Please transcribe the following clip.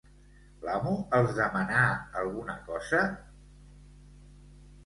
L'amo els demanà alguna cosa?